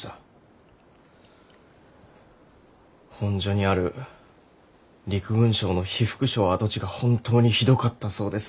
本所にある陸軍省の被服廠跡地が本当にひどかったそうです。